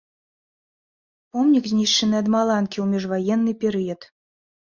Помнік знішчаны ад маланкі ў міжваенны перыяд.